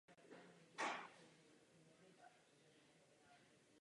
Do žulového kamene na samém vrcholu je vytesána pamětní tabule.